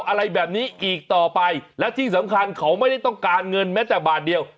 อะไรแบบนี้อีกต่อไปและที่สำคัญเขาไม่ได้ต้องการเงินแม้แต่บาทเดียว